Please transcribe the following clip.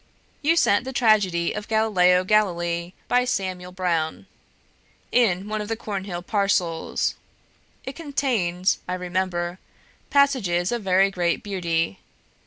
"You sent the tragedy of 'Galileo Galilei,' by Samuel Brown, in one of the Cornhill parcels; it contained, I remember, passages of very great beauty.